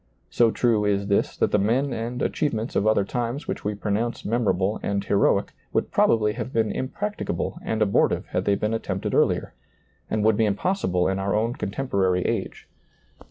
So true is this that the men and achievements of other times which we pronounce memorable and heroic would probably have been impracticable and abortive had they been at tempted earlier, and would be impossible in our own contemporary age.